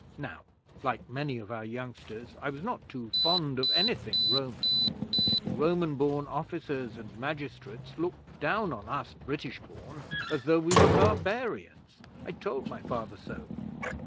Now, like many of our youngsters, I was not too fond of anything Roman. The Roman born officers and magistrates looked down on us British born as though we were barbarians. I told my Father so.